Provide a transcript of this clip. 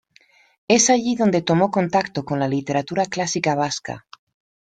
Es allí donde tomó contacto con la literatura clásica vasca.